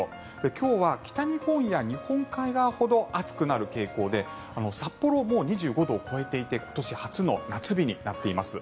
今日は北日本や日本海側ほど暑くなる傾向で札幌はもう２５度を超えていて今年初の夏日になっています。